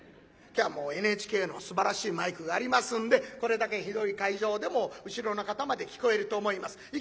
今日はもうＮＨＫのすばらしいマイクがありますんでこれだけ広い会場でも後ろの方まで聞こえると思います。